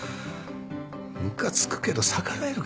ムカつくけど逆らえるかよ。